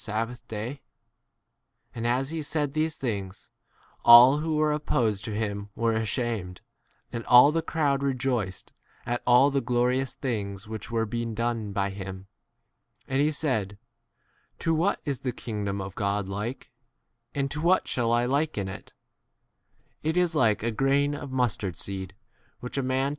sabbath day ? And as ho said these things, all who were oppos ed to him were ashamed ; and all the crowd rejoiced at all the glori ous things which were being done by him. 13 And he said, To what is the kingdom of God like ? and to what 19 shall I liken it ? It is like a grain of mustard seed which a man took liver.' u T. R. omits ' the.' T T. R.